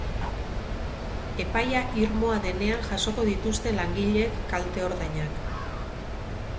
Epaia irmoa denean jasoko dituzte langileek kalte-ordainak.